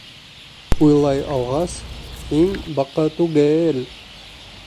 — Уйлай алғас, Һин баҡа түге-ел.